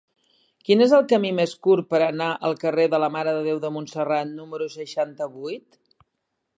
Quin és el camí més curt per anar al carrer de la Mare de Déu de Montserrat número seixanta-vuit?